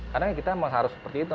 karena kita memang harus seperti itu